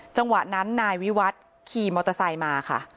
จังหวะนั้นนายวิวัฒน์ขี่มอเตอร์ไซค์มาค่ะ